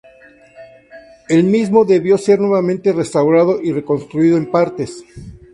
El mismo debió ser nuevamente restaurado y reconstruido en partes.